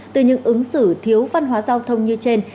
từ những ứng xử thiếu văn hóa giao thông như trên